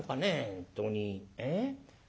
本当にええ？